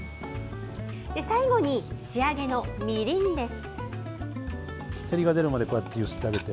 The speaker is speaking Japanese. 最後に仕上げのみりんです。